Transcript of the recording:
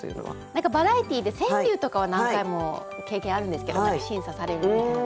何かバラエティーで川柳とかは何回も経験あるんですけども審査されるみたいな。